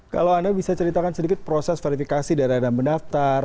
kalau anda bisa ceritakan sedikit proses verifikasi dari anda mendaftar